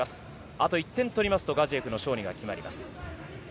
あと１点取りますとガジエフの勝利が決まります。